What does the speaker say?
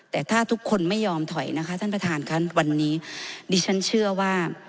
แต่ถ้าทุกคนไม่ยอมถอยนะคะท่านประธานค่ะวันนี้ดิฉันเชื่อว่า